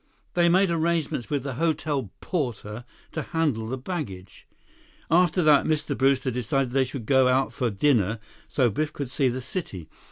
They made arrangements with the hotel porter to handle the baggage. After that, Mr. Brewster decided that they should go out for dinner so Biff could see the city.